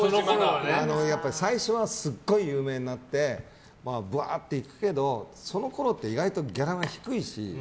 最初はすごい有名になってぶわーっていくけどそのころって意外とギャラは低いし。